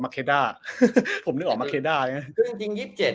เคด้าผมนึกออกมาเคด้าใช่ไหมคือจริงจริงยี่สิบเจ็ด